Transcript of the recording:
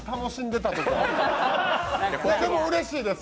でも、うれしいです。